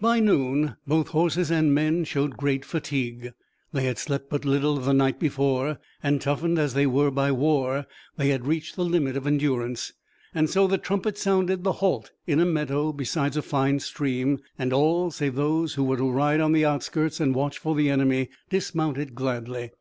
By noon both horses and men showed great fatigue. They had slept but little the night before, and, toughened as they were by war, they had reached the limit of endurance. So the trumpet sounded the halt in a meadow beside a fine stream, and all, save those who were to ride on the outskirts and watch for the enemy, dismounted gladly.